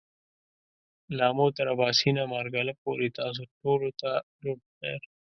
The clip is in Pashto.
له آمو تر آباسينه ، مارګله پورې تاسو ټولو ته جوړ پخير !